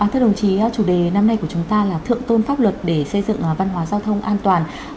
thưa đồng chí chủ đề năm nay của chúng ta là thượng tôn pháp luật để xây dựng văn hóa giao thông an toàn